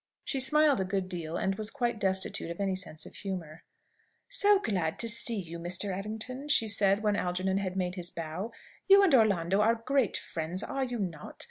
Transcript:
She smiled a good deal, and was quite destitute of any sense of humour. "So glad to see you, Mr. Errington," said she, when Algernon had made his bow. "You and Orlando are great friends, are you not?